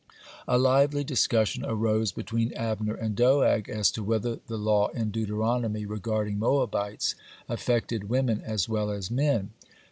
A lively discussion arose between Abner and Doeg, as to whether the law in Deuteronomy regarding Moabites affected women as well as men.